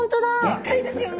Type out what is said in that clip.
でっかいですよね。